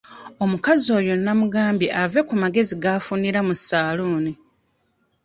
Omukazi oyo namugambye ave ku magezi g'afunira mu ssaaluuni.